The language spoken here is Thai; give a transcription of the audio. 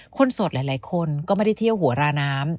โสดหลายคนก็ไม่ได้เที่ยวหัวราน้ำ